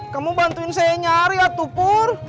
kamu bantuin saya nyari ya tupur